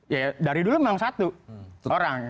ya dari dulu memang satu orang